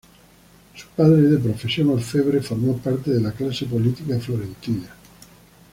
Su padre de profesión orfebre, formó parte de la clase política florentina.